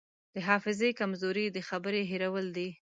د حافظې کمزوري د خبرې هېرول دي.